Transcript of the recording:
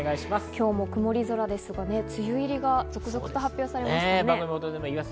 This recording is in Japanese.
今日も曇り空ですが、梅雨入りが続々と発表されましたね。